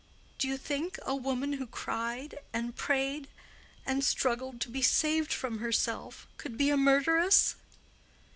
Do you think a woman who cried, and prayed, and struggled to be saved from herself, could be a murderess?"